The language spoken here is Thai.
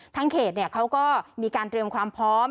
เขตเขาก็มีการเตรียมความพร้อม